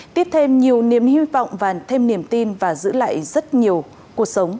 tiếp thêm nhiều niềm hy vọng và thêm niềm tin và giữ lại rất nhiều cuộc sống